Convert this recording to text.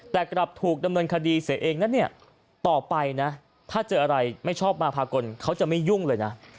แต่กลับถูกดำเนินคดีเสียเองนั้นเนี่ยต่อไปนะถ้าเจออะไรไม่ชอบมาพากลเขาจะไม่ยุ่งเลยนะ